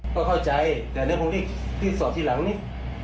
เขาเข้าใจแต่อันนั้นผมที่สอบที่หลังเนี่ย